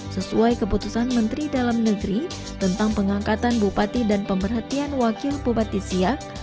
sesuai keputusan menteri dalam negeri tentang pengangkatan bupati dan pemerhatian wakil bupati siak